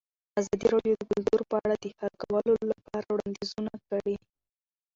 ازادي راډیو د کلتور په اړه د حل کولو لپاره وړاندیزونه کړي.